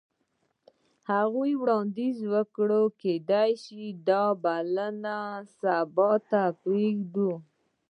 هغې وړاندیز وکړ چې کیدای شي دا بلنه سبا ته پریږدو